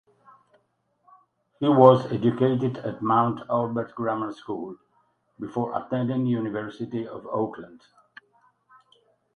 He was educated at Mount Albert Grammar School before attending University of Auckland.